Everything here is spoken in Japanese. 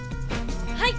はい！